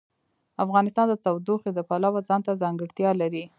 افغانستان د تودوخه د پلوه ځانته ځانګړتیا لري.